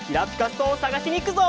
ストーンをさがしにいくぞ！